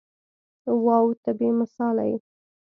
واو ته بې مثاله يې.